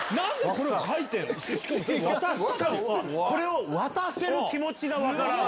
これを渡せる気持ちが分からん。